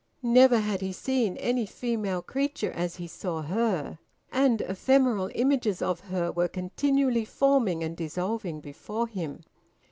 Never had he seen any female creature as he saw her, and ephemeral images of her were continually forming and dissolving before him.